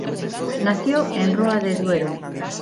Nació en Roa de Duero.